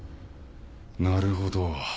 なるほど。